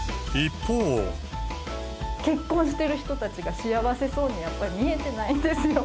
結婚してる人たちが、幸せそうに、やっぱり見えてないんですよ。